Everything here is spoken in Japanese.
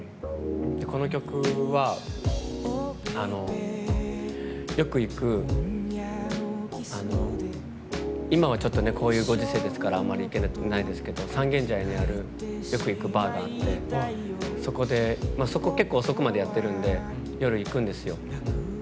この曲はよく行く、今はちょっとこういうご時世ですからあんまり行けないですけど三軒茶屋にあるよく行くバーがあってそこ結構遅くまでやっているので夜、行くんですよ。